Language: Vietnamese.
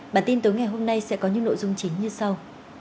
bản tin tối ngày hôm nay sẽ có những nội dung chính như sau